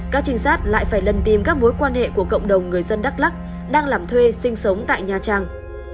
các trinh sát lại phải lần tìm các mối quan hệ của cộng đồng người dân đắk lắc đang làm thuê sinh sống tại nha trang